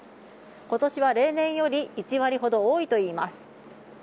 今年は例年より１割ほど多いといいます。